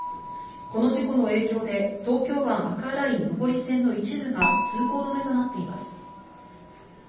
この事故の影響で、東京湾アクアライン上り線の一部が通行止めとなっています。